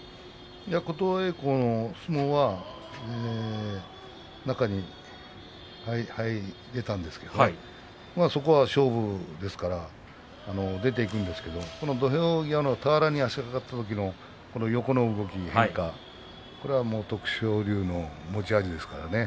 琴恵光の相撲は中に入れたんですけれどそこは勝負ですから出ていくんですけど土俵際の俵に足が掛かったときの横の動きがこれはもう徳勝龍の持ち味ですからね。